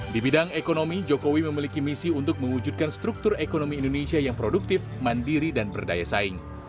di bidang ekonomi jokowi memiliki misi untuk mewujudkan struktur ekonomi indonesia yang produktif mandiri dan berdaya saing